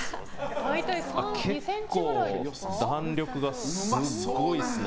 結構、弾力がすごいですね。